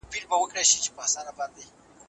ولسمشر ګډ بازار نه پریږدي.